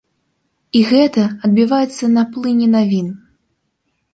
І гэта адбіваецца на плыні навін.